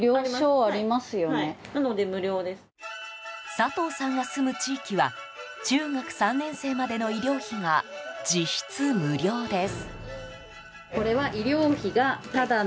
佐藤さんが住む地域は中学３年生までの医療費が実質無料です。